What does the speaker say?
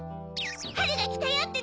はるがきたよ！って